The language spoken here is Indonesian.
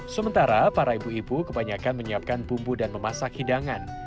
sementara para ibu ibu kebanyakan menyiapkan bumbu dan memasak hidangan